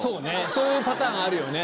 そういうパターンあるよね。